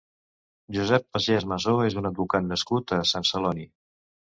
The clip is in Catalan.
Josep Pagès Massó és un advocat nascut a Sant Celoni.